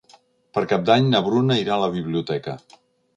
Per Cap d'Any na Bruna irà a la biblioteca.